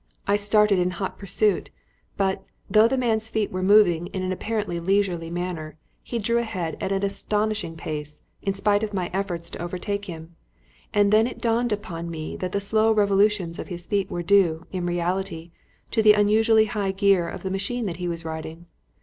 I started in hot pursuit, but, though the man's feet were moving in an apparently leisurely manner, he drew ahead at an astonishing pace, in spite of my efforts to overtake him; and it then dawned upon me that the slow revolutions of his feet were due, in reality, to the unusually high gear of the machine that he was riding.